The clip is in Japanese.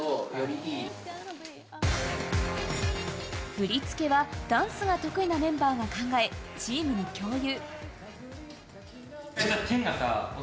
振り付けはダンスが得意なメンバーが考え、チームに共有。